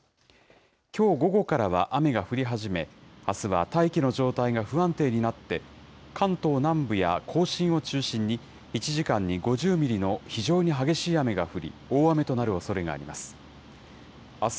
きょう午後からは雨が降り始め、あすは大気の状態が不安定になって、関東南部や甲信を中心に、１時間に５０ミリの非常に激しい雨が降り、大雨となるおそれがあります。